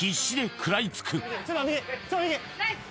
ナイス！